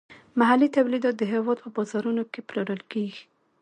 محلي تولیدات د هیواد په بازارونو کې پلورل کیږي.